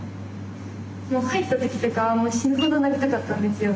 もう入った時とかは死ぬほどなりたかったんですよ。